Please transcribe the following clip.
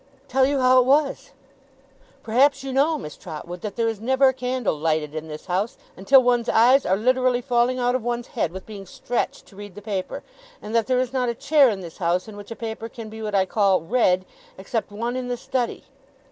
tell you how it was. Perhaps you know, Miss Trotwood, that there is never a candle lighted in this house, until one's eyes are literally falling out of one's head with being stretched to read the paper. And that there is not a chair in this house, in which a paper can be what I call, read, except one in the Study.